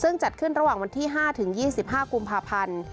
ซึ่งจัดขึ้นระหว่างวันที่๕ถึง๒๕กุมภาพันธ์